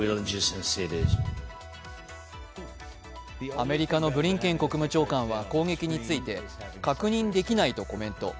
アメリカのブリンケン国務長官は攻撃について確認できないとコメント。